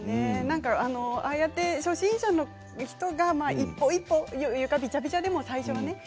ああやって初心者の人が一歩一歩床びちゃびちゃでも、最初はね。